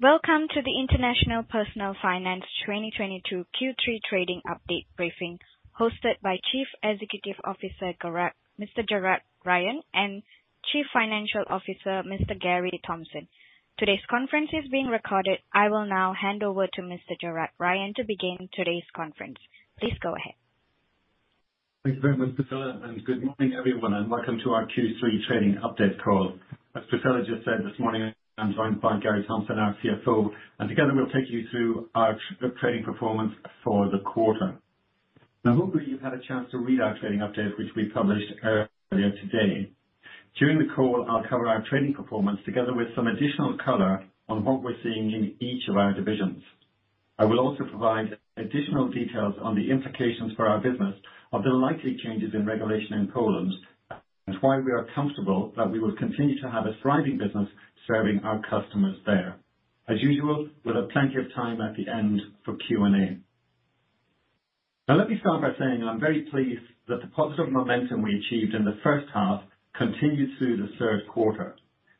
Welcome to the International Personal Finance 2022 Q3 trading update briefing, hosted by Chief Executive Officer Mr. Gerard Ryan, and Chief Financial Officer Mr. Gary Thompson. Today's conference is being recorded. I will now hand over to Mr. Gerard Ryan to begin today's conference. Please go ahead. Thanks very much, Priscilla, and good morning everyone, and welcome to our Q3 trading update call. As Priscilla just said, this morning I'm joined by Gary Thompson, our CFO, and together we'll take you through our trading performance for the quarter. Now, hopefully you've had a chance to read our trading update, which we published earlier today. During the call, I'll cover our trading performance together with some additional color on what we're seeing in each of our divisions. I will also provide additional details on the implications for our business of the likely changes in regulation in Poland, and why we are comfortable that we will continue to have a thriving business serving our customers there. As usual, we'll have plenty of time at the end for Q&A. Now, let me start by saying I'm very pleased that the positive momentum we achieved in the first half continued through the third quarter.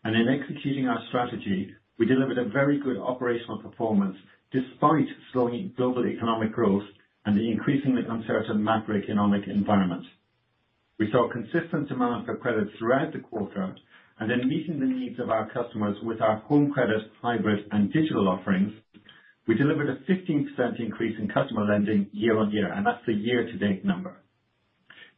In executing our strategy, we delivered a very good operational performance despite slowing global economic growth and the increasingly uncertain macroeconomic environment. We saw consistent demand for credit throughout the quarter, and in meeting the needs of our customers with our home credit, hybrid and digital offerings, we delivered a 15% increase in customer lending year-on-year, and that's a year-to-date number.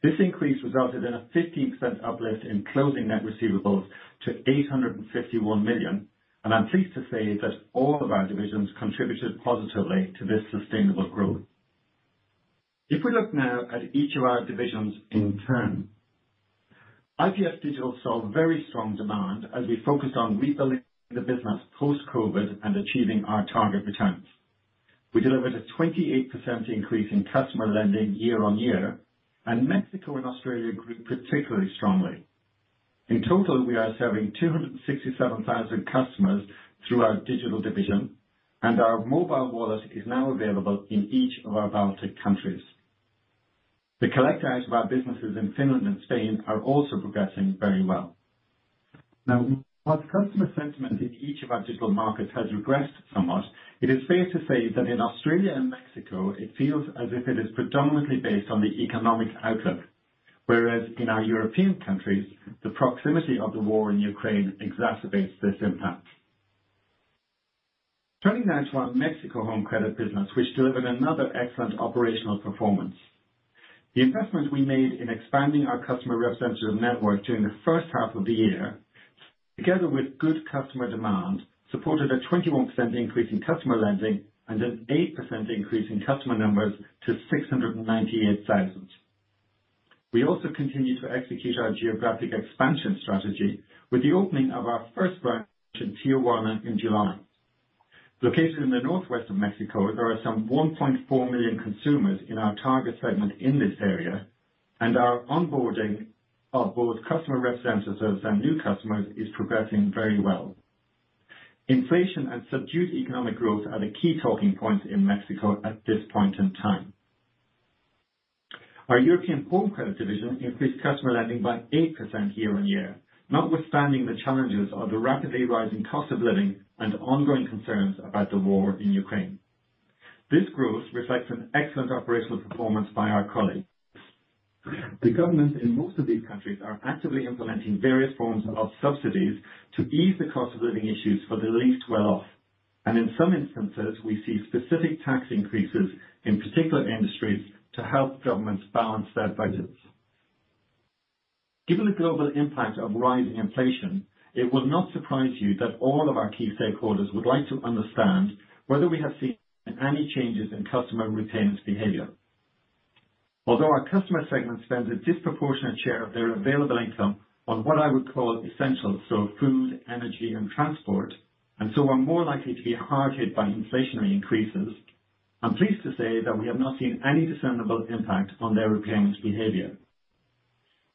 This increase resulted in a 15% uplift in closing net receivables to 851 million. I'm pleased to say that all of our divisions contributed positively to this sustainable growth. If we look now at each of our divisions in turn. IPF Digital saw very strong demand as we focused on rebuilding the business post-COVID and achieving our target returns. We delivered a 28% increase in customer lending year-on-year, and Mexico and Australia grew particularly strongly. In total, we are serving 267,000 customers through our digital division, and our mobile wallet is now available in each of our Baltic countries. The collect-outs of our businesses in Finland and Spain are also progressing very well. Now, while customer sentiment in each of our digital markets has regressed somewhat, it is fair to say that in Australia and Mexico it feels as if it is predominantly based on the economic outlook. Whereas in our European countries, the proximity of the war in Ukraine exacerbates this impact. Turning now to our Mexico home credit business, which delivered another excellent operational performance. The investment we made in expanding our customer representative network during the first half of the year, together with good customer demand, supported a 21% increase in customer lending and an 8% increase in customer numbers to 698,000. We also continued to execute our geographic expansion strategy with the opening of our first branch in Tijuana in July. Located in the northwest of Mexico, there are some 1.4 million consumers in our target segment in this area, and our onboarding of both customer representatives and new customers is progressing very well. Inflation and subdued economic growth are the key talking points in Mexico at this point in time. Our European home credit division increased customer lending by 8% year-on-year. Notwithstanding the challenges of the rapidly rising cost of living and ongoing concerns about the war in Ukraine. This growth reflects an excellent operational performance by our colleagues. The governments in most of these countries are actively implementing various forms of subsidies to ease the cost of living issues for the least well-off. In some instances, we see specific tax increases in particular industries to help governments balance their budgets. Given the global impact of rising inflation, it will not surprise you that all of our key stakeholders would like to understand whether we have seen any changes in customer repayment behavior. Although our customer segment spends a disproportionate share of their available income on what I would call essentials, so food, energy and transport, and so are more likely to be hard hit by inflationary increases. I'm pleased to say that we have not seen any discernible impact on their repayment behavior.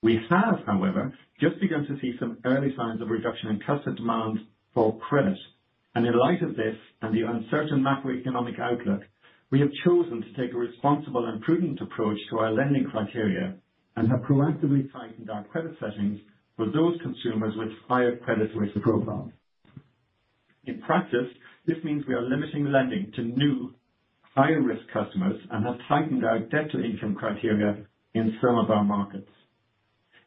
We have, however, just begun to see some early signs of reduction in customer demand for credit. In light of this and the uncertain macroeconomic outlook, we have chosen to take a responsible and prudent approach to our lending criteria and have proactively tightened our credit settings for those consumers with higher credit risk profiles. In practice, this means we are limiting lending to new higher risk customers and have tightened our debt to income criteria in some of our markets.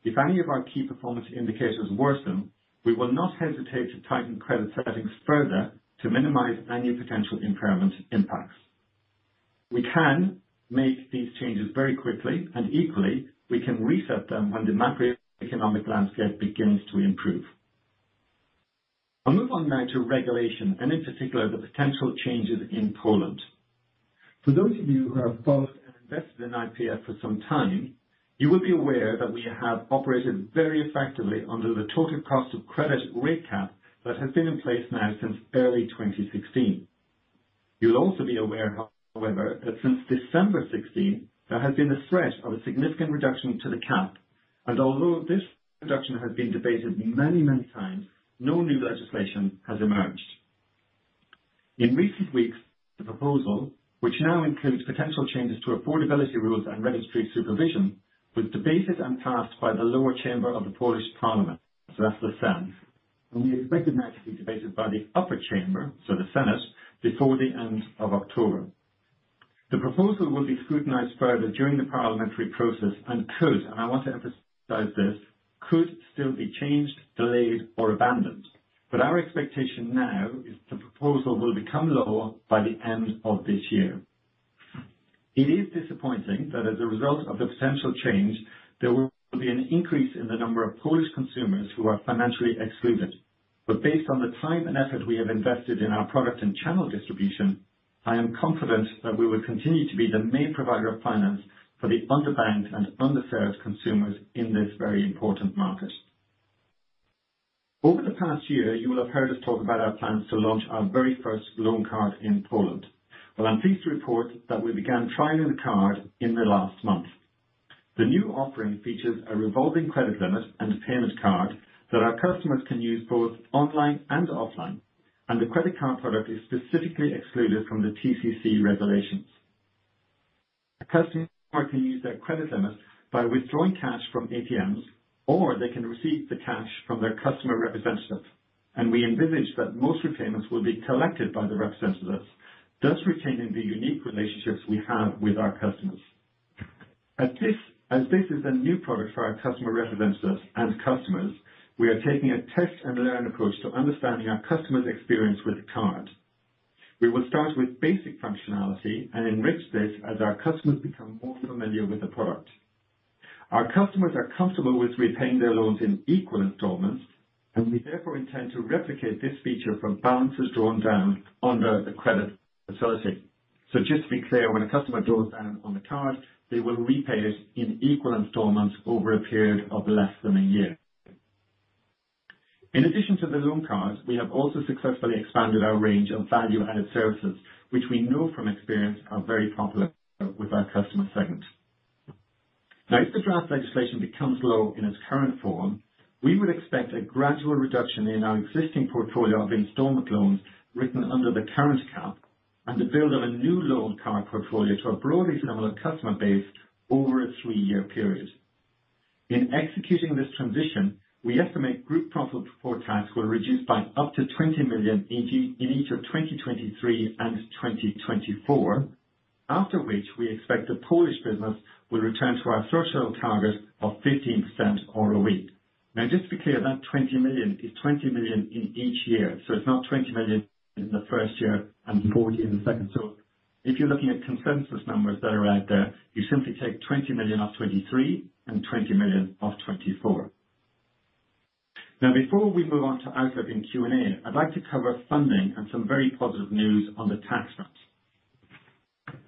If any of our key performance indicators worsen, we will not hesitate to tighten credit settings further to minimize any potential impairment impacts. We can make these changes very quickly and equally, we can reset them when the macroeconomic landscape begins to improve. I'll move on now to regulation and in particular the potential changes in Poland. For those of you who have followed and invested in IPF for some time, you will be aware that we have operated very effectively under the total cost of credit rate cap that has been in place now since early 2016. You'll also be aware, however, that since December 2016, there has been a threat of a significant reduction to the cap. Although this reduction has been debated many, many times, no new legislation has emerged. In recent weeks, the proposal, which now includes potential changes to affordability rules and registry supervision, has been debated and passed by the lower chamber of the Polish parliament, so that's the Sejm. We expect it now to be debated by the upper chamber, so the Senate, before the end of October. The proposal will be scrutinized further during the parliamentary process and could, and I want to emphasize this, could still be changed, delayed, or abandoned. Our expectation now is the proposal will become law by the end of this year. It is disappointing that as a result of the potential change, there will be an increase in the number of Polish consumers who are financially excluded. Based on the time and effort we have invested in our product and channel distribution, I am confident that we will continue to be the main provider of finance for the underbanked and underserved consumers in this very important market. Over the past year, you will have heard us talk about our plans to launch our very first loan card in Poland. Well, I'm pleased to report that we began trialing the card in the last month. The new offering features a revolving credit limit and a payment card that our customers can use both online and offline. The credit card product is specifically excluded from the TCC regulations. A customer can use their credit limits by withdrawing cash from ATMs, or they can receive the cash from their customer representative. We envisage that most repayments will be collected by the representatives, thus retaining the unique relationships we have with our customers. As this is a new product for our customer representatives and customers, we are taking a test-and-learn approach to understanding our customers' experience with the card. We will start with basic functionality and enrich this as our customers become more familiar with the product. Our customers are comfortable with repaying their loans in equal installments, and we therefore intend to replicate this feature from balances drawn down under the credit facility. Just to be clear, when a customer draws down on the card, they will repay it in equal installments over a period of less than a year. In addition to the loan card, we have also successfully expanded our range of value-added services, which we know from experience are very popular with our customer segment. Now, if the draft legislation becomes law in its current form, we would expect a gradual reduction in our existing portfolio of installment loans written under the current cap and the build of a new loan card portfolio to a broader customer base over a three-year period. In executing this transition, we estimate group profit before tax will reduce by up to 20 million in each of 2023 and 2024. After which we expect the Polish business will return to our threshold target of 15% ROE. Now, just to be clear, that 20 million is 20 million in each year, so it's not 20 million in the first year and 40 in the second. If you're looking at consensus numbers that are out there, you simply take 20 million off 2023 and 20 million off 2024. Now before we move on to our opening Q&A, I'd like to cover funding and some very positive news on the tax front.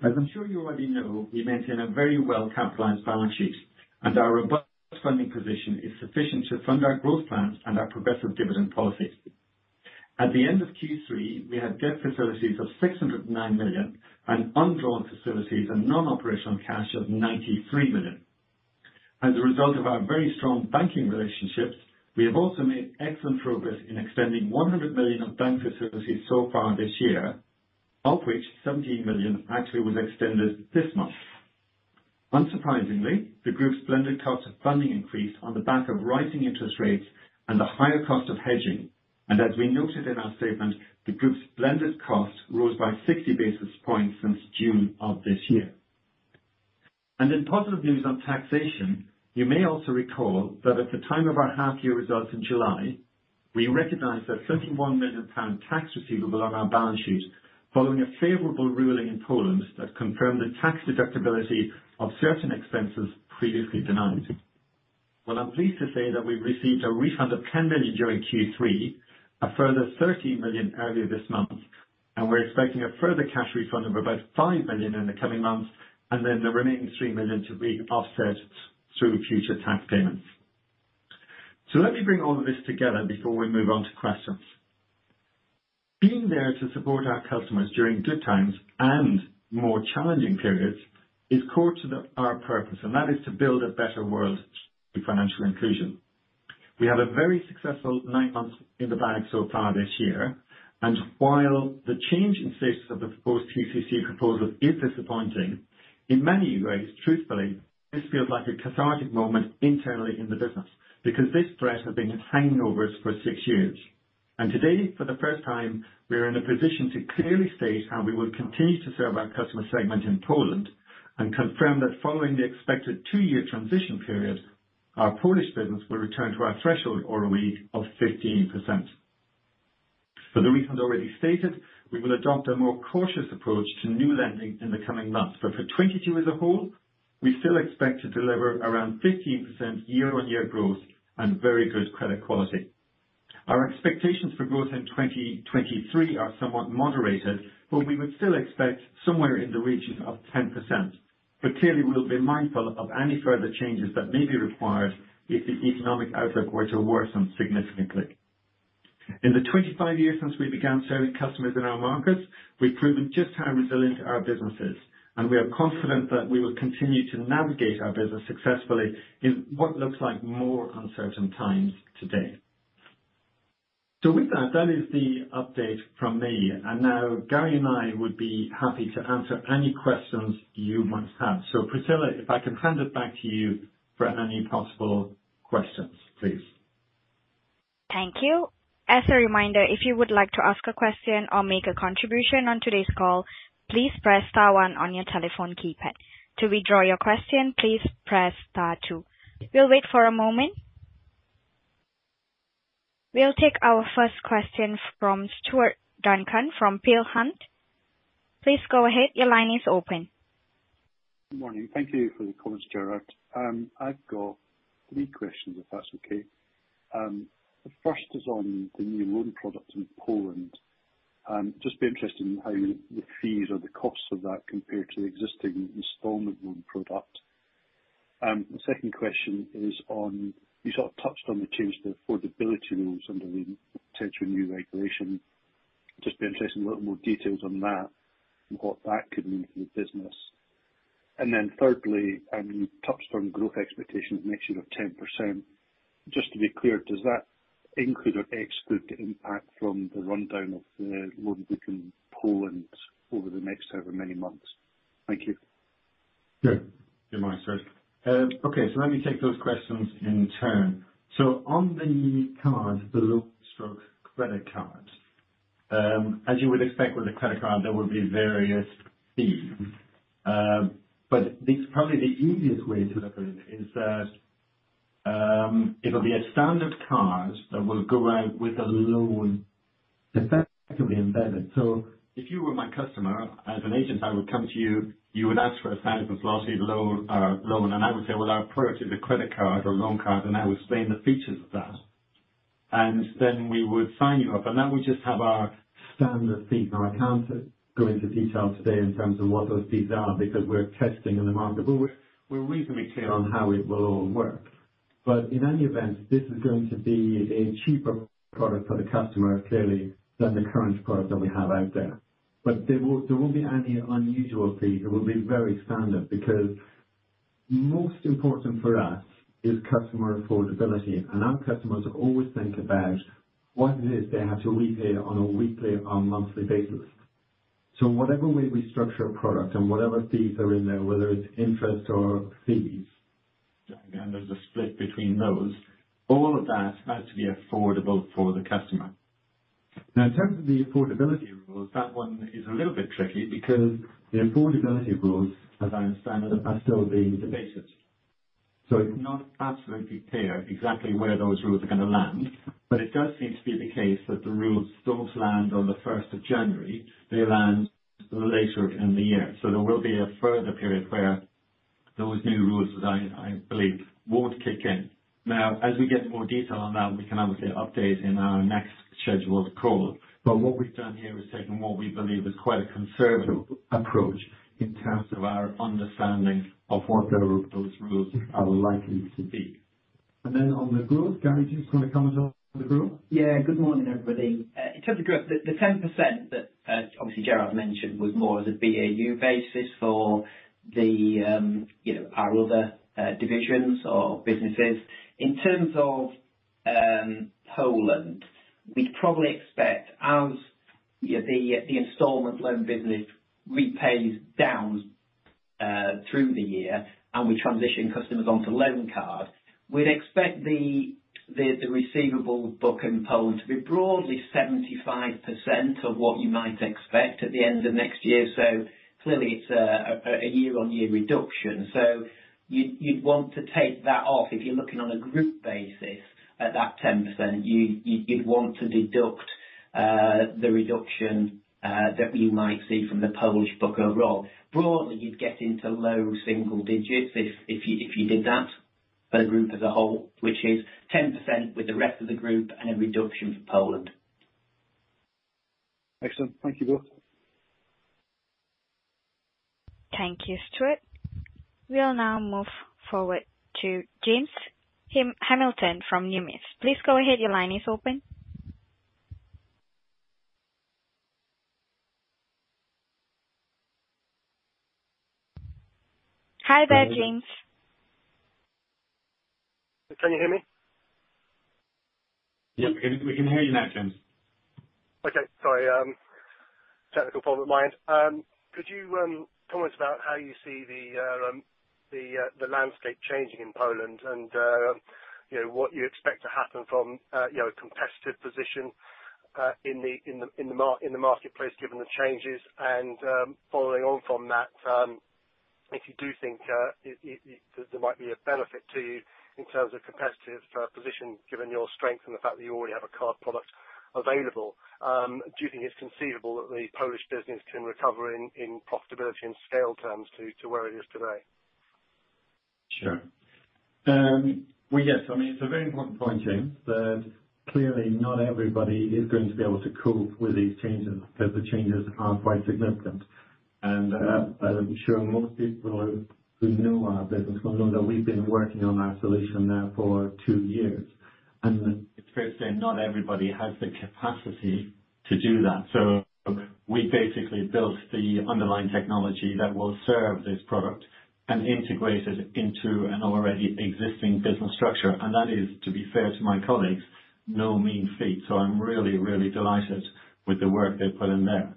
As I'm sure you already know, we maintain a very well-capitalized balance sheet, and our robust funding position is sufficient to fund our growth plans and our progressive dividend policy. At the end of Q3, we had debt facilities of 609 million and undrawn facilities and non-operational cash of 93 million. As a result of our very strong banking relationships, we have also made excellent progress in extending 100 million of bank facilities so far this year, of which 17 million actually was extended this month. Unsurprisingly, the group's blended cost of funding increased on the back of rising interest rates and the higher cost of hedging. As we noted in our statement, the group's blended cost rose by 60 basis points since June of this year. In positive news on taxation, you may also recall that at the time of our half year results in July, we recognized 31 million pound tax receivable on our balance sheet following a favorable ruling in Poland that confirmed the tax deductibility of certain expenses previously denied. Well, I'm pleased to say that we've received a refund of 10 million during Q3, a further 13 million earlier this month, and we're expecting a further cash refund of about 5 million in the coming months, and then the remaining 3 million to be offset through future tax payments. Let me bring all of this together before we move on to questions. Being there to support our customers during good times and more challenging periods is core to our purpose, and that is to build a better world through financial inclusion. We have a very successful nine months in the bag so far this year. While the change in status of the post TCC proposal is disappointing, in many ways, truthfully, this feels like a cathartic moment internally in the business because this threat has been hanging over us for six years. Today, for the first time, we are in a position to clearly state how we will continue to serve our customer segment in Poland and confirm that following the expected two-year transition period, our Polish business will return to our threshold ROE of 15%. For the reasons already stated, we will adopt a more cautious approach to new lending in the coming months. For 2022 as a whole, we still expect to deliver around 15% year-on-year growth and very good credit quality. Our expectations for growth in 2023 are somewhat moderated, but we would still expect somewhere in the region of 10%. Clearly we will be mindful of any further changes that may be required if the economic outlook were to worsen significantly. In the 25 years since we began serving customers in our markets, we've proven just how resilient our business is, and we are confident that we will continue to navigate our business successfully in what looks like more uncertain times today. With that is the update from me. Now Gary and I would be happy to answer any questions you might have. Priscilla, if I can hand it back to you for any possible questions, please. Thank you. As a reminder, if you would like to ask a question or make a contribution on today's call, please press star one on your telephone keypad. To withdraw your question, please press star two. We'll wait for a moment. We'll take our first question from Stuart Duncan from Peel Hunt. Please go ahead. Your line is open. Good morning. Thank you for the comments, Gerard. I've got three questions, if that's okay. The first is on the new loan product in Poland. Just be interested in how the fees or the costs of that compare to the existing installment loan product. The second question is on, you sort of touched on the change to affordability rules under the potential new regulation. Just be interested in a little more details on that and what that could mean for the business. Then thirdly, you touched on growth expectations next year of 10%. Just to be clear, does that include or exclude the impact from the rundown of the loan book in Poland over the next however many months? Thank you. Yeah. Good morning, Stuart. Okay. Let me take those questions in turn. On the card, the loan or credit card, as you would expect with a credit card, there will be various fees. But it's probably the easiest way to look at it is that, it'll be a standard card that will go out with a loan effectively embedded. If you were my customer, as an agent, I would come to you would ask for a standard Provident loan, and I would say, "Well, our approach is a credit card or loan card," and I would explain the features of that. That would just have our standard fees. Now, I can't go into detail today in terms of what those fees are because we're testing in the market, but we're reasonably clear on how it will all work. In any event, this is going to be a cheaper product for the customer, clearly, than the current product that we have out there. There won't be any unusual fees. It will be very standard because most important for us is customer affordability. Our customers always think about what it is they have to repay on a weekly or monthly basis. Whatever way we structure a product and whatever fees are in there, whether it's interest or fees, again, there's a split between those, all of that has to be affordable for the customer. Now, in terms of the affordability rules, that one is a little bit tricky because the affordability rules, as I understand it, are still being debated. It's not absolutely clear exactly where those rules are gonna land. It does seem to be the case that the rules don't land on the first of January, they land later in the year. There will be a further period where those new rules, as I believe, won't kick in. Now, as we get more detail on that, we can obviously update in our next scheduled call. What we've done here is taken what we believe is quite a conservative approach in terms of our understanding of what those rules are likely to be. Then on the growth, Gary, do you just wanna comment on the growth? Yeah. Good morning, everybody. In terms of growth, the ten percent that obviously Gerard's mentioned was more as a BAU basis for the you know our other divisions or businesses. In terms of Poland, we'd probably expect as the installment loan business repays down through the year and we transition customers onto loan cards, we'd expect the receivable book in Poland to be broadly 75% of what you might expect at the end of next year. Clearly it's a year-on-year reduction. You'd want to take that off if you're looking on a group basis at that 10%. You'd want to deduct the reduction that we might see from the Polish book overall. Broadly, you'd get into low single digits if you did that for the group as a whole, which is 10% with the rest of the group and a reduction for Poland. Excellent. Thank you both. Thank you, Stuart. We'll now move forward to James Hamilton from Numis. Please go ahead. Your line is open. Hi there, James. Hello. Can you hear me? Yep. We can hear you now, James. Okay. Sorry. Technical fault of mine. Could you comment about how you see the landscape changing in Poland and, you know, what you expect to happen from a, you know, a competitive position in the marketplace given the changes? Following on from that, if you do think there might be a benefit to you in terms of competitive position given your strength and the fact that you already have a card product available, do you think it's conceivable that the Polish business can recover in profitability and scale terms to where it is today? Sure. Well, yes. I mean, it's a very important point, James. That clearly not everybody is going to be able to cope with these changes because the changes are quite significant. I'm sure most people who know our business will know that we've been working on our solution now for two years. It's fair to say not everybody has the capacity to do that. We basically built the underlying technology that will serve this product and integrate it into an already existing business structure. That is, to be fair to my colleagues, no mean feat. I'm really delighted with the work they've put in there.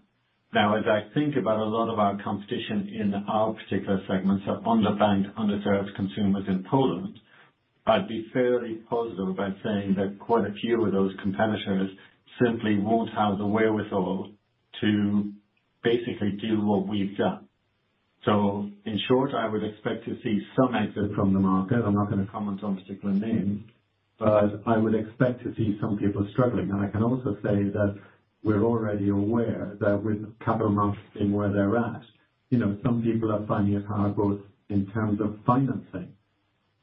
Now, as I think about a lot of our competition in our particular segments of underbanked, underserved consumers in Poland, I'd be fairly positive by saying that quite a few of those competitors simply won't have the wherewithal to basically do what we've done. So in short, I would expect to see some exit from the market. I'm not going to comment on particular names, but I would expect to see some people struggling. I can also say that we're already aware that with capital not staying where they're at, you know, some people are finding it hard, both in terms of financing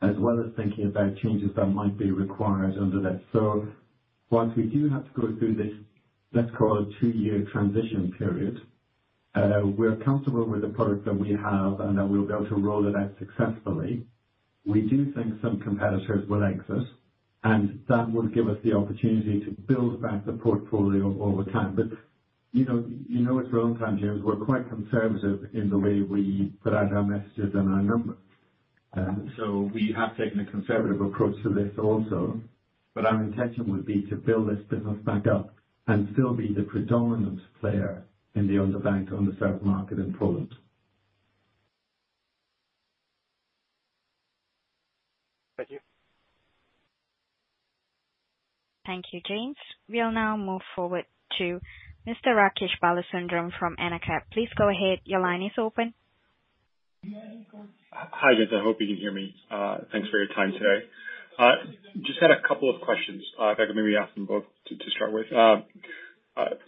as well as thinking about changes that might be required under this. Whilst we do have to go through this, let's call it two-year transition period, we're comfortable with the product that we have and that we'll be able to roll it out successfully. We do think some competitors will exit, and that will give us the opportunity to build back the portfolio over time. You know, you know us well enough, James. We're quite conservative in the way we put out our messages and our numbers. We have taken a conservative approach to this also. Our intention would be to build this business back up and still be the predominant player in the underbanked, underserved market in Poland. Thank you. Thank you, James. We'll now move forward to Mr. Rakesh Balasundaram from AnaCap. Please go ahead. Your line is open. Hi, guys. I hope you can hear me. Thanks for your time today. Just had a couple of questions. If I could maybe ask them both to start with.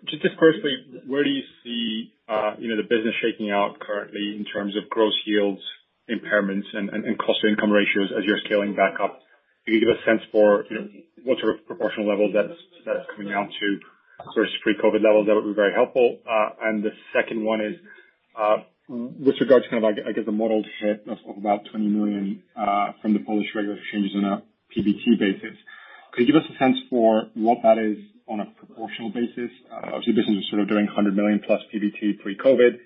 Just firstly, where do you see, you know, the business shaking out currently in terms of gross yields, impairments, and cost to income ratios as you're scaling back up? Can you give a sense for, you know, what sort of proportional level that's coming down to versus pre-COVID levels? That would be very helpful. The second one is, with regards to kind of like, I guess, the modeled hit of about 20 million, from the Polish regulatory changes on a PBT basis. Could you give us a sense for what that is on a proportional basis? Obviously business was sort of doing 100 million plus PBT pre-COVID.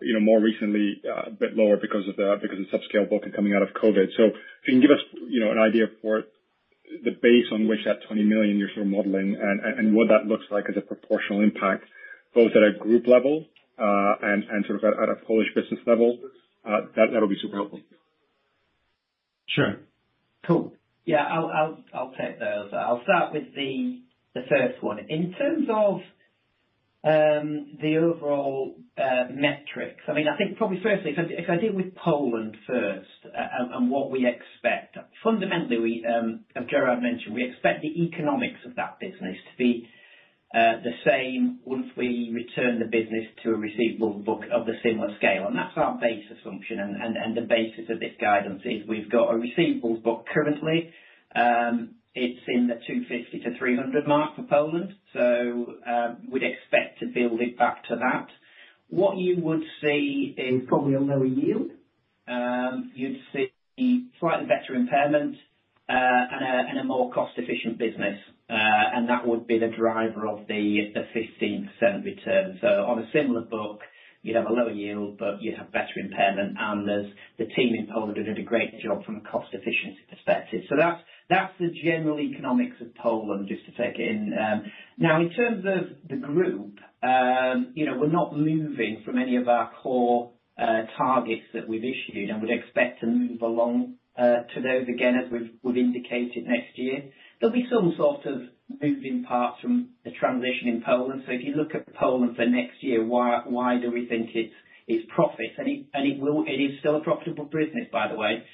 You know, more recently, a bit lower because of subscale booking coming out of COVID. If you can give us, you know, an idea for the base on which that 20 million you're sort of modeling and what that looks like as a proportional impact, both at a group level, and sort of at a Polish business level, that'll be super helpful. Sure. Cool. Yeah, I'll take those. I'll start with the first one. In terms of the overall metrics. I mean, I think probably firstly, if I deal with Poland first and what we expect. Fundamentally, we. As Gerard mentioned, we expect the economics of that business to be the same once we return the business to a receivables book of a similar scale. That's our base assumption and the basis of this guidance is we've got a receivables book currently. It's in the 250 million-300 million mark for Poland. We'd expect to build it back to that. What you would see is probably a lower yield. You'd see slightly better impairment and a more cost-efficient business. And that would be the driver of the 15% return. On a similar book, you'd have a lower yield, but you'd have better impairment. There's the team in Poland have did a great job from a cost efficiency perspective. That's the general economics of Poland, just to take in. Now in terms of the group, you know, we're not moving from any of our core targets that we've issued. We'd expect to move along to those again, as we've indicated next year. There'll be some sort of moving parts from the transition in Poland. If you look at Poland for next year, why do we think it's profits? It is still a profitable business, by the way.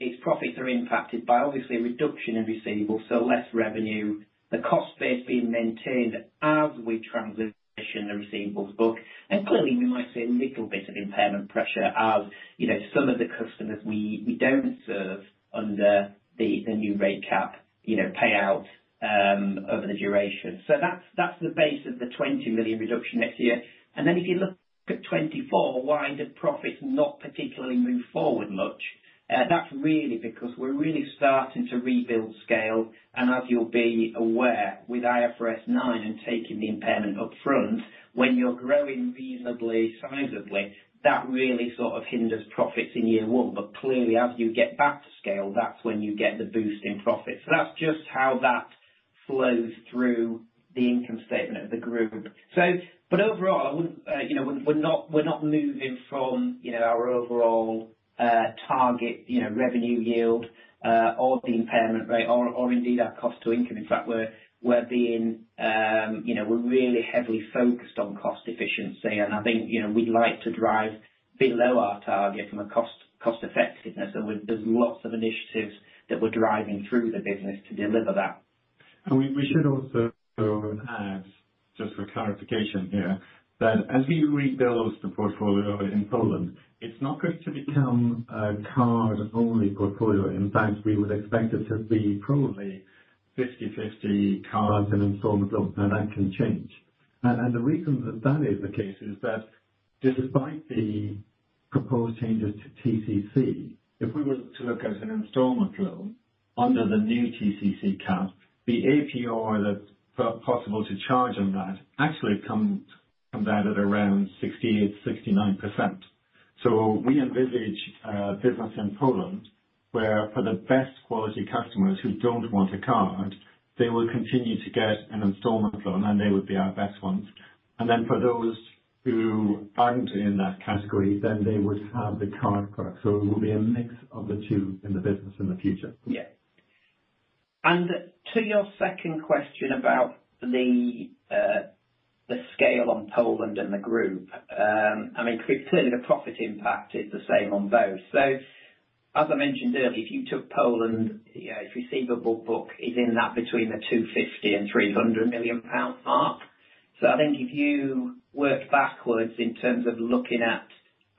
Its profits are impacted by obviously a reduction in receivables, so less revenue. The cost base being maintained as we transition the receivables book. Clearly we might see a little bit of impairment pressure as, you know, some of the customers we don't serve under the new rate cap, you know, pay out over the duration. That's the base of the 20 million reduction next year. Then if you look at 2024, why did profits not particularly move forward much? That's really because we're really starting to rebuild scale. As you'll be aware, with IFRS 9 and taking the impairment up front, when you're growing reasonably sizably, that really sort of hinders profits in year one. Clearly, as you get back to scale, that's when you get the boost in profits. That's just how that flows through the income statement of the group. Overall, I wouldn't... You know, we're not moving from, you know, our overall target, you know, revenue yield, or the impairment rate or indeed our cost to income. In fact, we're really heavily focused on cost efficiency. I think, you know, we'd like to drive below our target from a cost effectiveness. There's lots of initiatives that we're driving through the business to deliver that. We should also add, just for clarification here, that as we rebuild the portfolio in Poland, it's not going to become a card-only portfolio. In fact, we would expect it to be probably 50/50 cards and installment loans. Now, that can change. The reason that that is the case is that despite the proposed changes to TCC, if we were to look at an installment loan under the new TCC cap, the APR that's possible to charge on that actually comes out at around 68%-69%. We envisage business in Poland, where for the best quality customers who don't want a card, they will continue to get an installment loan, and they would be our best ones. Then for those who aren't in that category, then they would have the card product. It will be a mix of the two in the business in the future. Yeah. To your second question about the scale on Poland and the group. I mean, clearly the profit impact is the same on both. As I mentioned earlier, if you took Poland, you know, its receivable book is in that between 250 million and 300 million pound mark. I think if you work backwards in terms of looking at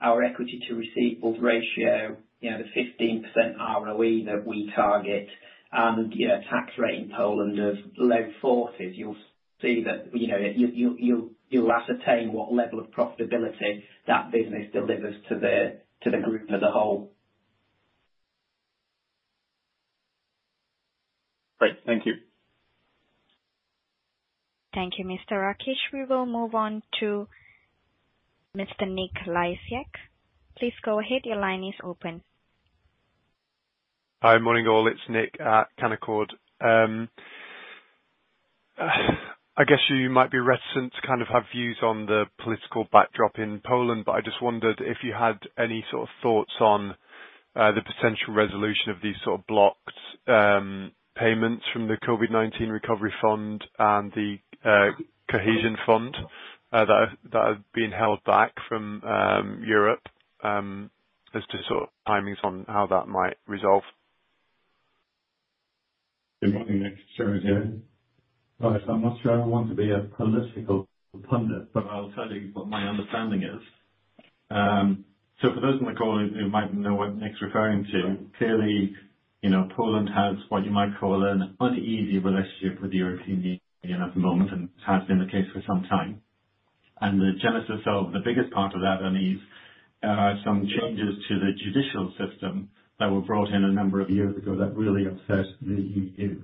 our equity to receivables ratio, you know, the 15% ROE that we target and, you know, tax rate in Poland of low 40s, you'll see that, you know, you'll ascertain what level of profitability that business delivers to the group as a whole. Great. Thank you. Thank you, Mr. Rakesh. We will move on to Mr. Nick Leigh. Please go ahead. Your line is open. Hi. Morning all. It's Nick at Canaccord. I guess you might be reticent to kind of have views on the political backdrop in Poland, but I just wondered if you had any sort of thoughts on the potential resolution of these sort of blocked payments from the COVID-19 recovery fund and the Cohesion Fund that are being held back from Europe as to sort of timings on how that might resolve. Good morning, Nick. Sure. Yeah. I'm not sure I want to be a political pundit, but I'll tell you what my understanding is. For those on the call who might know what Nick's referring to, clearly, you know, Poland has what you might call an uneasy relationship with the European Union at the moment and has been the case for some time. The genesis of the biggest part of that unease are some changes to the judicial system that were brought in a number of years ago that really upset the EU.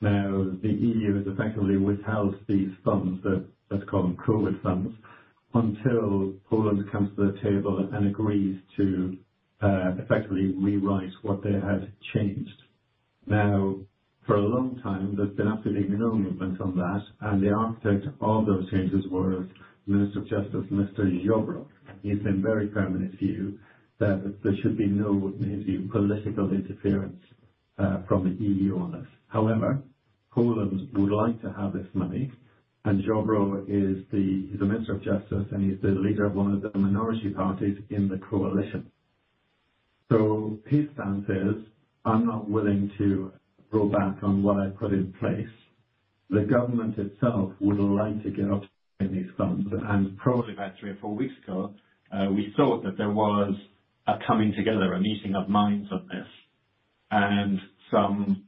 Now, the EU has effectively withheld these funds, the, let's call them COVID funds, until Poland comes to the table and agrees to effectively rewrite what they had changed. Now, for a long time, there's been absolutely no movement on that. The architect of those changes was Minister of Justice, Mr. Ziobro. He's been very firm in his view that there should be no, in his view, political interference from the EU on this. However, Poland would like to have this money, and Ziobro is the Minister of Justice and he's the leader of one of the minority parties in the coalition. His stance is, "I'm not willing to roll back on what I put in place." The government itself would like to get ahold of these funds. Probably about three or four weeks ago, we thought that there was a coming together, a meeting of minds on this. Some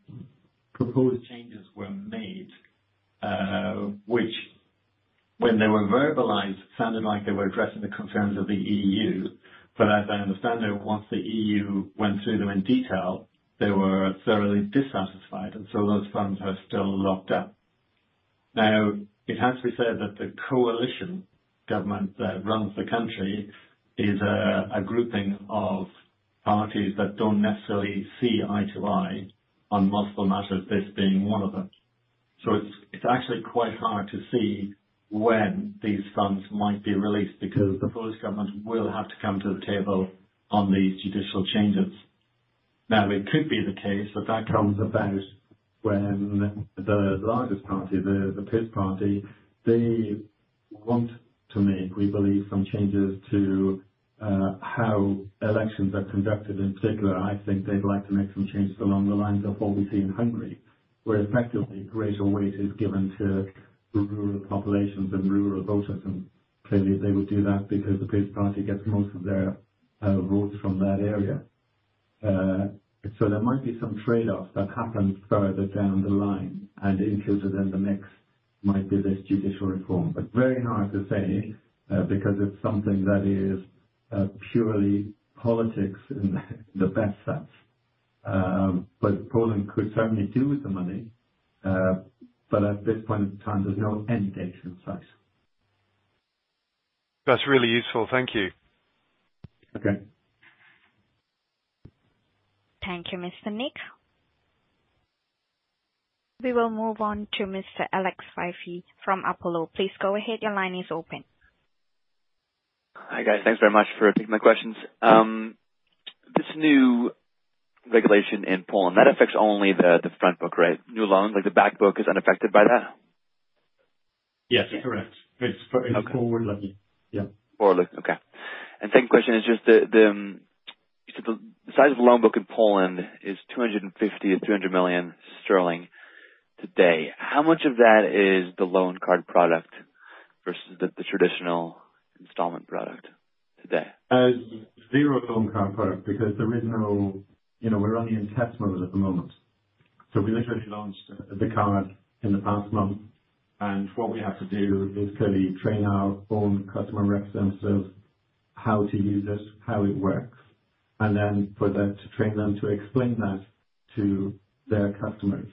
proposed changes were made, which when they were verbalized, sounded like they were addressing the concerns of the EU. As I understand it, once the EU went through them in detail, they were thoroughly dissatisfied, and so those funds are still locked up. Now, it has to be said that the coalition government that runs the country is a grouping of parties that don't necessarily see eye to eye on multiple matters, this being one of them. It's actually quite hard to see when these funds might be released, because the Polish government will have to come to the table on these judicial changes. It could be the case that that comes about when the largest party, the PiS party, they want to make, we believe, some changes to how elections are conducted. In particular, I think they'd like to make some changes along the lines of what we see in Hungary, where effectively greater weight is given to rural populations and rural voters. Clearly they would do that because the PiS party gets most of their votes from that area. There might be some trade-offs that happen further down the line, and included in the mix might be this judicial reform. Very hard to say, because it's something that is purely politics in the best sense. Poland could certainly do with the money. At this point in time, there's no end date in sight. That's really useful. Thank you. Okay. Thank you, Mr. Nick Leigh. We will move on to Mr. Alex Fyvie from Apollo. Please go ahead. Your line is open. Hi, guys. Thanks very much for taking my questions. This new regulation in Poland that affects only the front book, right? New loans. Like, the back book is unaffected by that? Yes, that's correct. Okay. It's for forward lending. Yeah. Forward-looking. Okay. Second question is just the size of the loan book in Poland is 250 million sterling to 300 million sterling today. How much of that is the loan card product versus the traditional installment product today? Zero loan card product because there is no. You know, we're only in test mode at the moment. So we literally launched the card in the past month, and what we have to do is clearly train our own customer representatives how to use it, how it works, and then for them to train them to explain that to their customers.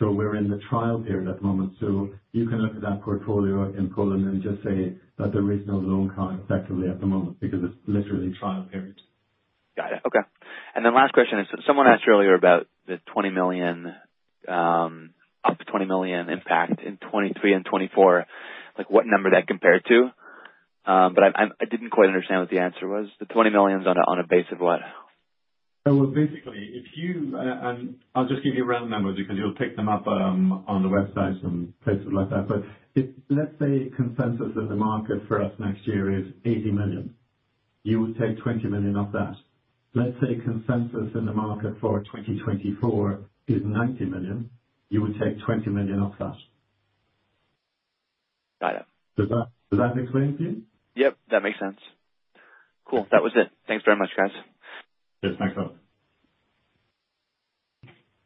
We're in the trial period at the moment, so you can look at that portfolio in Poland and just say that there is no loan card effectively at the moment because it's literally trial period. Got it. Okay. Then last question is, someone asked earlier about the 20 million, up to 20 million impact in 2023 and 2024, like, what number that compared to? I didn't quite understand what the answer was. The 20 million is on a base of what? Basically, I'll just give you round numbers because you'll pick them up on the website and places like that. Let's say consensus in the market for us next year is 80 million, you would take 20 million off that. Let's say consensus in the market for 2024 is 90 million, you would take 20 million off that. Got it. Does that make sense to you? Yep, that makes sense. Cool. That was it. Thanks very much, guys. Yes, thanks a lot.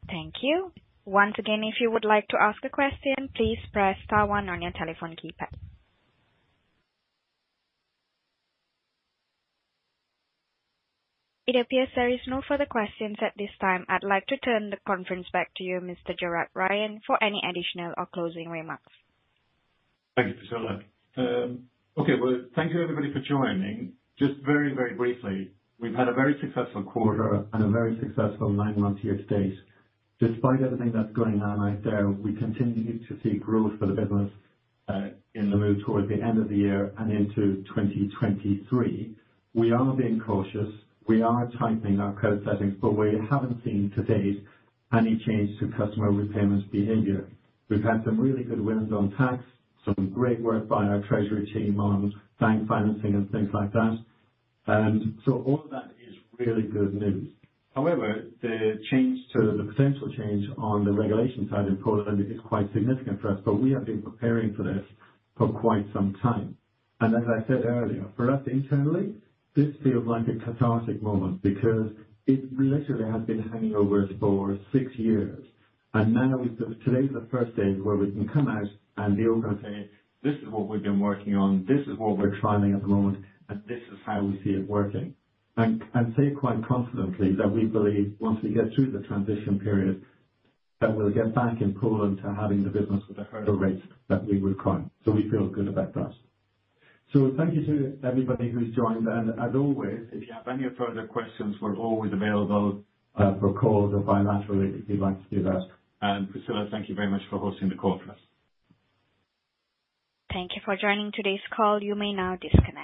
Thank you. Once again, if you would like to ask a question, please press star one on your telephone keypad. It appears there is no further questions at this time. I'd like to turn the conference back to you, Mr. Gerard Ryan, for any additional or closing remarks. Thank you, Priscilla. Okay. Well, thank you everybody for joining. Just very, very briefly, we've had a very successful quarter and a very successful nine months year to date. Despite everything that's going on out there, we continue to see growth for the business in the move towards the end of the year and into 2023. We are being cautious. We are tightening our credit settings, but we haven't seen to date any change to customer repayment behavior. We've had some really good wins on tax, some great work by our treasury team on bank financing and things like that. So all of that is really good news. However, the potential change on the regulation side in Poland is quite significant for us. We have been preparing for this for quite some time. As I said earlier, for us internally, this feels like a cathartic moment because it literally has been hanging over us for six years. So today's the first day where we can come out and be open and say, "This is what we've been working on, this is what we're trialing at the moment, and this is how we see it working." I'd say quite confidently that we believe once we get through the transition period, that we'll get back in Poland to having the business with the hurdle rates that we require. We feel good about that. Thank you to everybody who's joined. As always, if you have any further questions, we're always available for calls or bilaterally if you'd like to do that. Priscilla, thank you very much for hosting the call for us. Thank you for joining today's call. You may now disconnect.